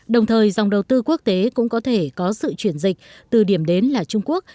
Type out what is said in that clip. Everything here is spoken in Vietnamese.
đồng thời dòng đầu tư quốc tế cũng có thể có sự chuyển dịch từ điểm đến là trung quốc